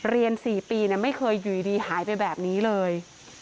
เรียน๔ปีไม่เคยอยู่ดีหายไปแบบนี้เลย